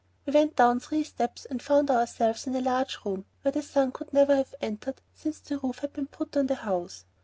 We went down three steps and found ourselves in a large room where the sun could never have entered since the roof had been put on the house.